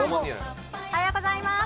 おはようございます。